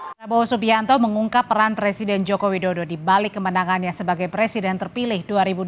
prabowo subianto mengungkap peran presiden jokowi dodo di balik kemenangannya sebagai presiden terpilih dua ribu dua puluh empat